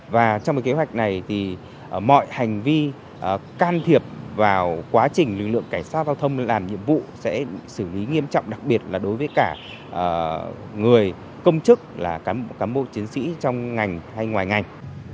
và trong kế hoạch này thì mọi hành vi can thiệp vào quá trình lực lượng cảnh sát giao thông làm nhiệm vụ sẽ xử lý nghiêm trọng đặc biệt là đối với cả người công chức là cán bộ cám bộ chiến sĩ trong ngành hay ngoài ngành